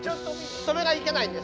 それがいけないんです。